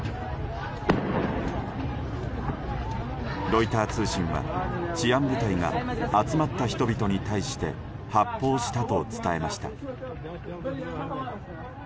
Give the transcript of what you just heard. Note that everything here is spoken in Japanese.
ロイター通信は、治安部隊が集まった人々に対して発砲したと伝えました。